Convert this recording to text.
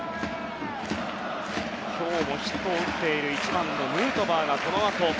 今日ヒットを打っている１番のヌートバーがこのあと。